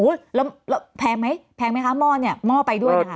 แล้วแพงไหมแพงไหมคะหม้อเนี่ยหม้อไปด้วยนะคะ